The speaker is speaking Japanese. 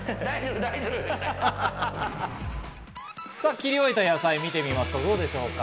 切り終えた野菜を見てみますと、どうでしょうか。